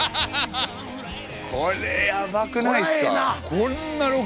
これヤバくないっすか？